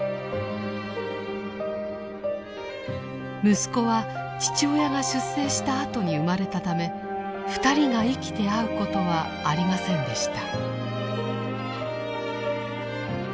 息子は父親が出征したあとに生まれたため２人が生きて会うことはありませんでした。